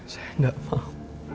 saya tidak mau